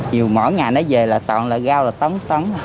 chiều mỗi ngày nó về là toàn là gao là tấm tấm